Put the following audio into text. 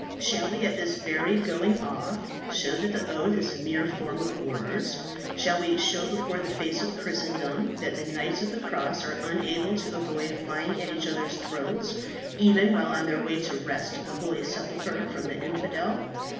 Shall we at this very going off show that the oath is a mere form of words? Shall we show before the face of Christendom that the knights of the cross are unable to avoid flying at each other's throats, even while on their way to wrest the holy sepulchre from the infidel?